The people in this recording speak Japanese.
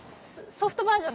ソフトバージョン。